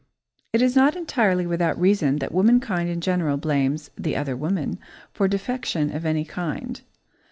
It is not entirely without reason that womankind in general blames "the other woman" for defection of any kind.